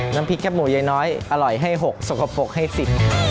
น้ำพริกแคบหมูยายน้อยอร่อยให้๖สกปรกให้ฟิน